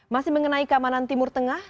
masih mengenai keamanan timur tengah